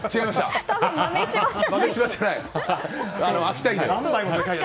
豆柴じゃない。